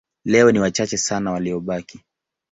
Leo ni wachache sana waliobaki.